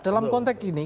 dalam konteks ini